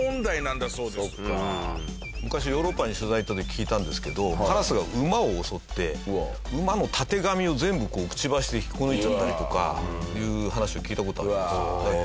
昔ヨーロッパに取材行った時聞いたんですけどカラスが馬を襲って馬のたてがみを全部こうくちばしで引っこ抜いちゃったりとかという話を聞いた事あります。